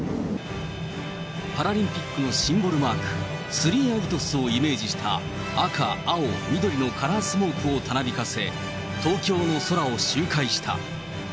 パラリンピックのシンボルマーク、スリーアギトスをイメージした赤、青、緑のカラースモークをたなびかせ、東京の空を周回した。